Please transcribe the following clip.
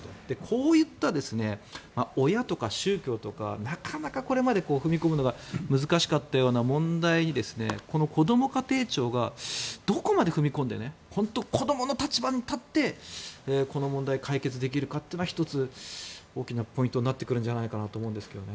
こういった親とか宗教とかなかなかこれまで踏み込むのが難しかったような問題にこども家庭庁がどこまで踏み込んで本当、子どもの立場に立ってこの問題を解決できるかが大きなポイントになってくるんじゃないかと思いますね。